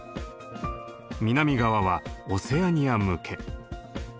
南側はオセアニア向け。